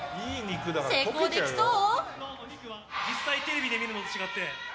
成功できそう？